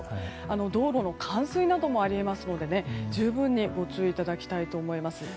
道路の冠水などもあり得ますので十分にご注意いただきたいと思います。